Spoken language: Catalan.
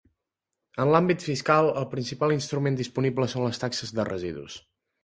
En l'àmbit fiscal, el principal instrument disponible són les taxes de residus.